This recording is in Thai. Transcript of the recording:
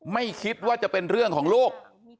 ไม่คิดว่าจะเป็นเรื่องของลูก